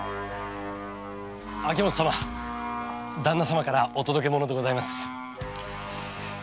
旦那様からお届け物でございます。